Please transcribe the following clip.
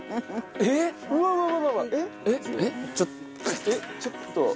えっちょっと。